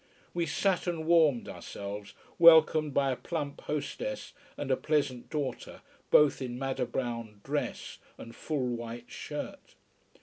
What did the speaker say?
We sat and warmed ourselves, welcomed by a plump hostess and a pleasant daughter, both in madder brown dress and full white shirt.